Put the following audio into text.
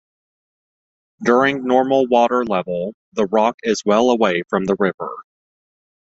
During normal water level the rock is well away from the river.